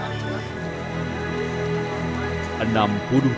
enam puluh dua prajurit muda telah lahir